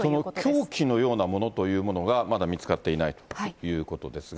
その凶器のようなものというのが、まだ見つかっていないということですが。